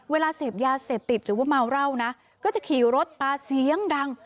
เวลาเสพยาเสพติดหรือว่าเมาเหล้านะก็จะขี่รถปลาเสียงดัง